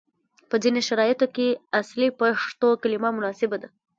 په ځینو شرایطو کې اصلي پښتو کلمه مناسبه ده،